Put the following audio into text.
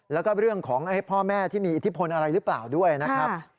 แล้วก็เรื่องของพ่อแม่ที่มีอิทธิพลอะไรหรือเปล่าด้วยนะครับ